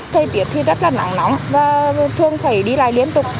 thời tiết thì rất là nắng nóng và thường phải đi lại liên tục